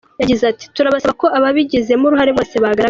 Yagize ati ”Turabasaba ko ababigizemo uruhare bose bagaragara.